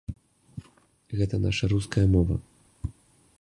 Гэта наша руская мова.